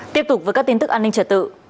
tiếp tục với các tin tức an ninh trật tự